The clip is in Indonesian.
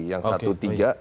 yang satu tiga